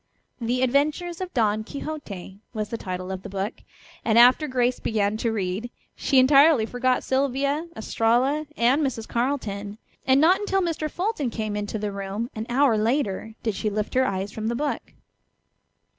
"The Adventures of Don Quixote," was the title of the book, and after Grace began to read she entirely forgot Sylvia, Estralla, and Mrs. Carleton. And not until Mr. Fulton came into the room an hour later did she lift her eyes from the book.